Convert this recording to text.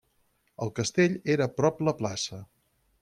El castell era prop la plaça.